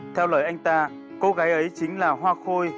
theo lời anh ta cô gái ấy chính là hoa khôi